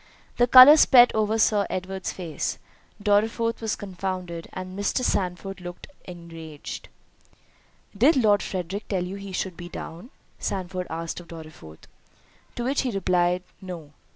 The colour spread over Sir Edward's face—Dorriforth was confounded—and Mr. Sandford looked enraged. "Did Lord Frederick tell you he should be down?" Sandford asked of Dorriforth. To which he replied, "No."